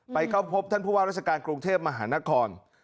เข้าพบท่านผู้ว่าราชการกรุงเทพมหานคร